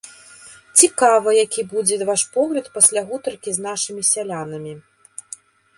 Цікава, які будзе ваш погляд пасля гутаркі з нашымі сялянамі?